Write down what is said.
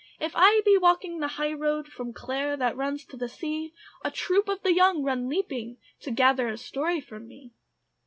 If I be walking the high road From Clare that goes to the sea, A troop of the young run leaping To gather a story from me.